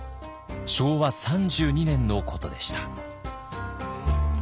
昭和３２年のことでした。